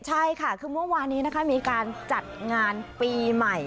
ใช่ค่ะคือเมื่อวานนี้นะคะมีการจัดงานปีใหม่